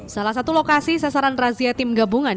salah satu lokasi sasaran razia tim gabungan